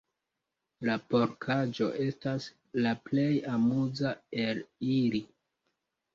La porkaĵo estas la plej amuza el ili.